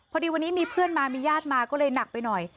พอดีวันนี้มีเพื่อนมามีญาติมาก็เลยหนักไปหน่อย